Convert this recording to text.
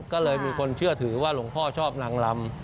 ก็เลยมีคนเชื่อถือว่าหลวงพ่อชอบนางลำ